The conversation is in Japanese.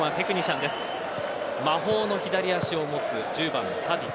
魔法の左足を持つ１０番のタディッチ。